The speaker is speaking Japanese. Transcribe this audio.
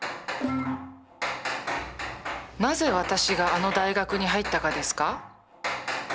なぜ私があの大学に入ったかですか？